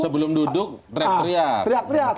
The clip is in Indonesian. sebelum duduk teriak teriak